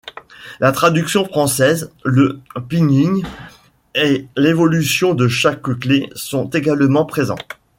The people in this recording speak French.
La traduction française, le pinyin et l'évolution de chaque clef sont également présents.